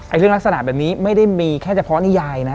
เรื่องลักษณะแบบนี้ไม่ได้มีแค่เฉพาะนิยายนะ